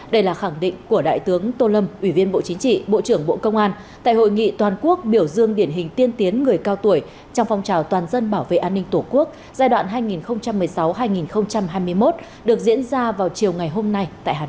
đây là khẳng định của đại tướng tô lâm ủy viên bộ chính trị bộ trưởng bộ công an tại hội nghị toàn quốc biểu dương điển hình tiên tiến người cao tuổi trong phong trào toàn dân bảo vệ an ninh tổ quốc giai đoạn hai nghìn một mươi sáu hai nghìn hai mươi một được diễn ra vào chiều ngày hôm nay tại hà nội